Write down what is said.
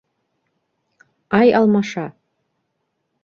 Ай алмаша!